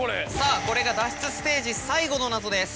これが脱出ステージ最後の謎です